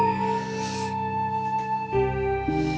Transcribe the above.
witness kesan sendiri